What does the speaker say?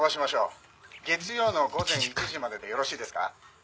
「月曜の午前１時まででよろしいですか？」